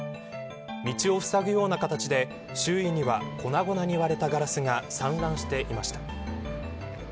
道をふさぐような形で、周囲には粉々に割れたガラスが散乱していました。